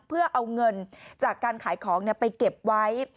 เพื่อเอาเงินจากการขายของไปเก็บไว้